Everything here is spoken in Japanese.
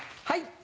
はい。